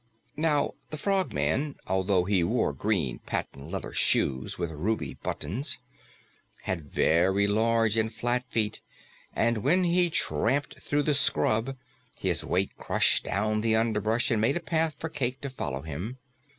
Now the Frogman, although he wore green patent leather shoes with ruby buttons, had very large and flat feet, and when he tramped through the scrub, his weight crushed down the underbrush and made a path for Cayke to follow him.